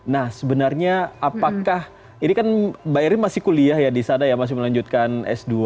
nah sebenarnya apakah ini kan mbak irin masih kuliah ya di sana ya masih melanjutkan s dua